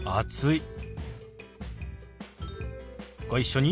ご一緒に。